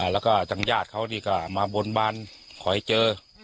แล้วก็ทั้งญาติเขาดีกว่ามาบนบ้านขอให้เจอ